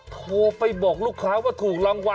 โทรไปบอกลูกค้าว่าถูกรางวัล